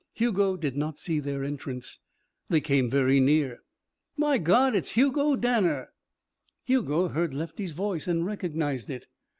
Hugo did not see their entrance. They came very near. "My God, it's Hugo Danner!" Hugo heard Lefty's voice and recognized it.